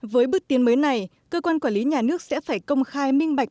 với bước tiến mới này cơ quan quản lý nhà nước sẽ phải công khai minh bạch